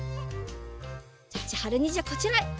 じゃちはるにんじゃこちらへ。